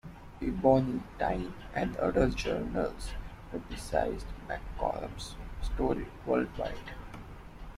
"Ebony," "Time," and other journals publicized McCollum's story worldwide.